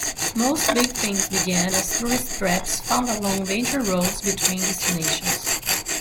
Most big things began as tourist traps found along major roads between destinations.